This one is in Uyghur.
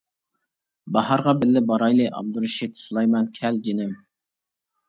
باھارغا بىللە بارايلى ئابدۇرېشىت سۇلايمان كەل، جېنىم!